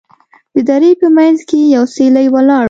د درې په منځ کې یې یو څلی ولاړ و.